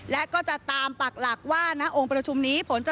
และก็จะตามปักหลักว่าณองค์ประชุมนี้ผลจะ